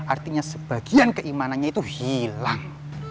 artinya sebagian keimanannya itu hilang